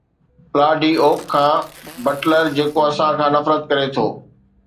پلا ڊي اوڪ کان بٽلر، جيڪو اسان کان نفرت ڪري ٿو